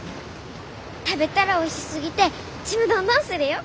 食べたらおいしすぎてちむどんどんするよ！